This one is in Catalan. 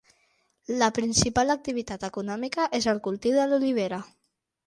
La principal activitat econòmica és el cultiu de l'olivera.